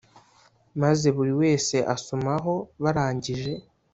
maze buriwese asomaho barangije